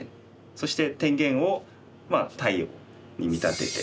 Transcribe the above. そして天元を太陽に見立てて。